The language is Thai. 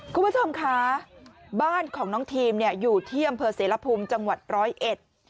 คุณผู้ชมค่ะบ้านของน้องทีมอยู่เที่ยมเผอร์เสระภูมิจังหวัดร้อยเอ็ด